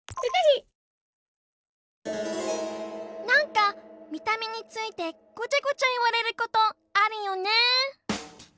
何か見た目についてごちゃごちゃ言われることあるよね。